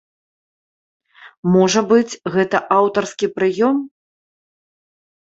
Можа быць, гэта аўтарскі прыём?